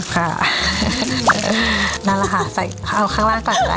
ค่ะนั่นแหละค่ะใส่เอาข้างล่างก่อนได้ค่ะอะไร